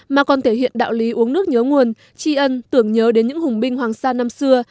mà còn thể hiện đạo lý uống nước nhớ nguồn tri ân tưởng nhớ đến những hùng binh hoàng sa năm xưa